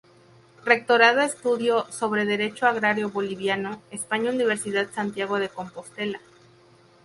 Rectorado Estudio sobre Derecho Agrario Boliviano; España Universidad Santiago de Compostela.